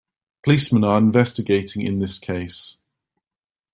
Policemen are investigating in this case.